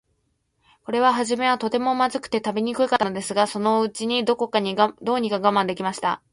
これははじめは、とても、まずくて食べにくかったのですが、そのうちに、どうにか我慢できました。